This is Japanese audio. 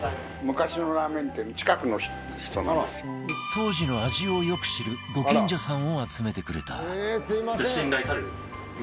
当時の味をよく知るご近所さんを集めてくれた